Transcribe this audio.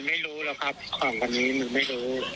รู้ละครับข้างตอนนี้มักไม่รู้